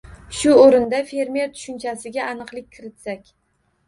Shu o‘rinda «fermer» tushunchasiga aniqlik kiritsak.